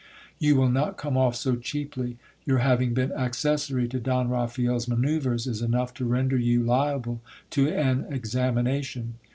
You will not come off so cheaply. Your having been accessary to Don Raphael's manoeuvres is enough to render you liable to an examination.